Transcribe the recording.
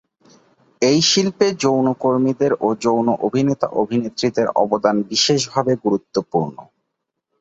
এই শিল্পে যৌনকর্মীদের এবং যৌন অভিনেতা-অভিনেত্রীদের অবদান বিশেষভাবে গুরুত্বপূর্ণ।